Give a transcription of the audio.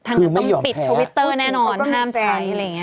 ถ้างั้นต้องปิดทวิตเตอร์แน่นอนห้ามใช้อะไรอย่างนี้